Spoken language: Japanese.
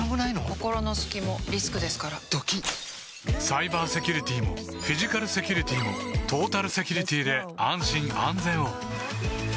心の隙もリスクですからドキッサイバーセキュリティもフィジカルセキュリティもトータルセキュリティで安心・安全を